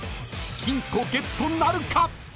［金庫ゲットなるか？］